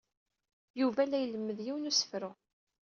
Yuba la ilemmed yiwen n usefru.